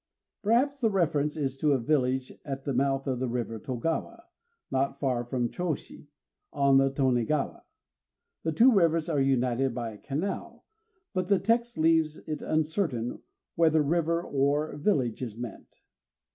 _ Perhaps the reference is to a village at the mouth of the river Togawa, not far from Chôshi on the Tonégawa. The two rivers are united by a canal. But the text leaves it uncertain whether river or village is meant.